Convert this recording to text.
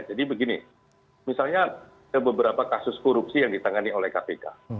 jadi begini misalnya ada beberapa kasus korupsi yang ditangani oleh kpk